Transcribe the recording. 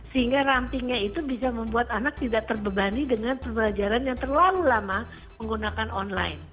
sehingga rampingnya itu bisa membuat anak tidak terbebani dengan pembelajaran yang terlalu lama menggunakan online